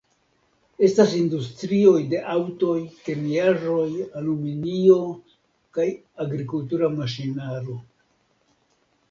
Estas industrioj de aŭtoj, kemiaĵoj, aluminio kaj agrikultura maŝinaro.